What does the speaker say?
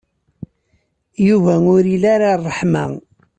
Yuba ur ili ara ṛṛeḥma.